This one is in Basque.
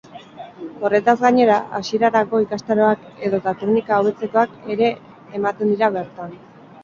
Horretaz gainera, hasierarako ikastaroak edota teknika hobetzekoak ere ematen dira bertan.